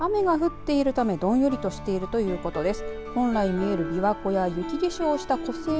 雨が降っているためどんよりとしているということです。